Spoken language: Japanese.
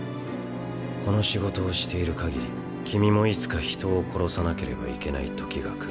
この仕事をしているかぎり君もいつか人を殺さなければいけないときが来る。